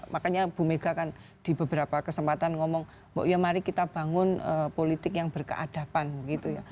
makanya bu mega kan di beberapa kesempatan ngomong ya mari kita bangun politik yang berkeadapan gitu ya